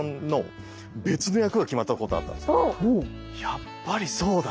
やっぱりそうだ！